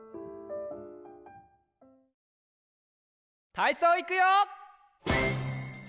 たいそういくよ！